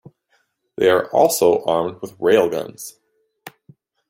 They are also armed with railguns.